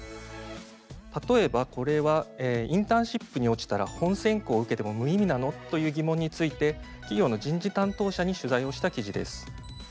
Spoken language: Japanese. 例えば、これはインターンシップに落ちたら本選考を受けても無意味なの？という疑問について企業の人事担当者に取材をした記事です。